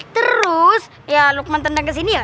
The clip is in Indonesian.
terus ya lukman tendang ke sini ya